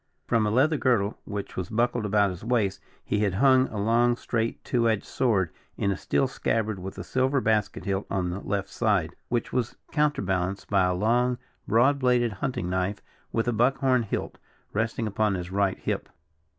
From a leather girdle, which was buckled about his waist, he had hung a long, straight, two edged sword in a steel scabbard with a silver basket hilt on the left side, which was counterbalanced by a long, broad bladed hunting knife with a buck horn hilt, resting upon his right hip.